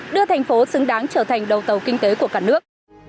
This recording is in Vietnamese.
đưa thành phố xứng đáng trở thành đầu tàu kinh tế của cả nước